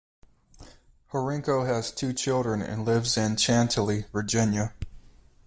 Horinko has two children and lives in Chantilly, Virginia.